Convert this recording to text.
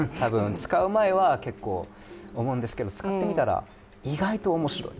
使う前は結構、思うんですけど使ってみたら意外と面白い。